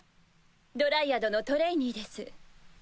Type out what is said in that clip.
ドライアドのトレイニーです。